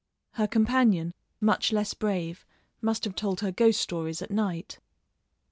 Her companion, much less brave, must have told her ghost stories at night.